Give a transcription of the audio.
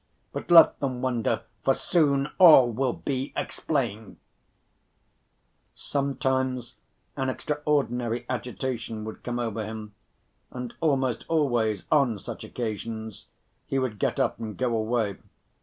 But let them wonder, for soon all will be explained." Sometimes an extraordinary agitation would come over him, and almost always on such occasions he would get up and go away.